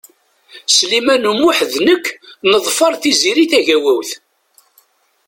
Sliman U Muḥ d nekk neḍfeṛ Tiziri Tagawawt.